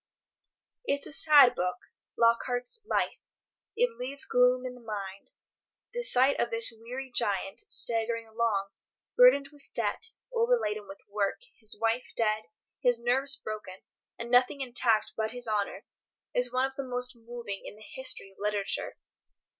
It's a sad book, Lockhart's "Life." It leaves gloom in the mind. The sight of this weary giant, staggering along, burdened with debt, overladen with work, his wife dead, his nerves broken, and nothing intact but his honour, is one of the most moving in the history of literature.